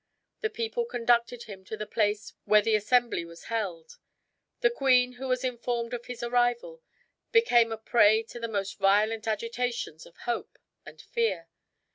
The people conducted him to the place where the assembly was held. The queen, who was informed of his arrival, became a prey to the most violent agitations of hope and fear.